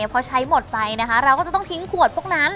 พอใช้หมดไปนะคะเราก็จะต้องทิ้งขวดพวกนั้น